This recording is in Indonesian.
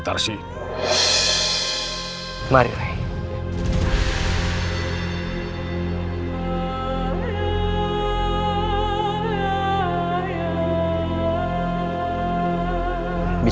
sandika ayah anda